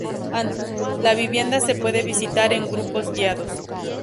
La vivienda se puede visitar en grupos guiados.